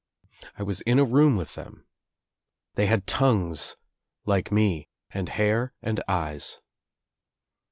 * I was in a room with them. They had tongues like me, and hair and eyes.